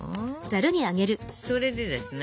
それでですね